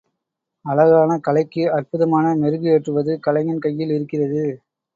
அழகான கலைக்கு அற்புதமான மெருகு ஏற்றுவது கலைஞன் கையில் இருக்கிறது.